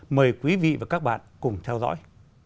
mời quý vị và các bạn cùng theo dõi